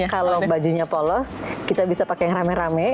kalau bajunya polos kita bisa pakai yang rame rame